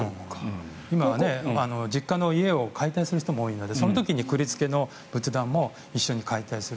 今は実家の家を解体する人も多いのでその時に、くくりつけの仏壇も一緒に解体する。